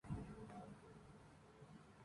El nombre de concheros deriva de la concha.